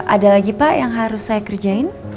ada lagi pak yang harus saya kerjain